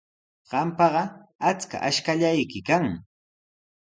Qampaqa achka ashkallayki kan.